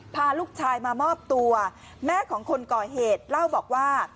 พาลูกชายมามอบตัวแม่ของคนก่อเหตุเล่าบอกว่า